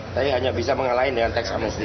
saya hanya bisa mengalahin dengan teks amnesti